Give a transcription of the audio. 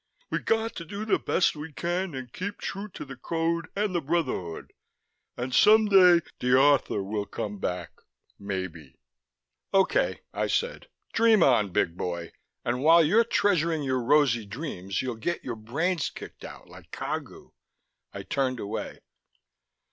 We got to do the best we can, and keep true to the Code and the Brotherhood ... and someday the Rthr will come back ... maybe." "Okay," I said. "Dream on, big boy. And while you're treasuring your rosy dreams you'll get your brains kicked out, like Cagu." I turned away.